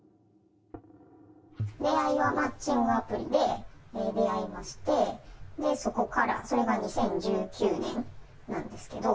出会いはマッチングアプリで出会いまして、そこから、それが２０１９年なんですけど。